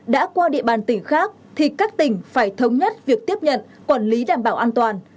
đã qua địa bàn tỉnh khác thì các tỉnh phải thống nhất việc tiếp nhận quản lý đảm bảo an toàn